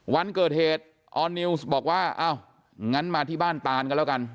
วันเกิดเหตุออร์นิวส์บอกว่าอ้าวงั้นมาที่บ้านตานกันแล้วกัน